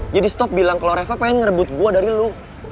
jadi stop bilang kalau reva pengen ngerebut gue dari lo